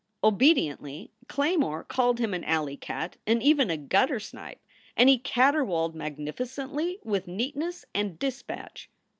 Obediently Claymore called him an alley cat and even a gutter snipe; and he caterwauled magnificently with neat ness and dispatch.